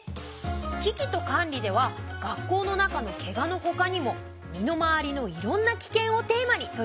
「キキとカンリ」では学校の中のケガのほかにも身の回りのいろんなキケンをテーマに取り上げているよ。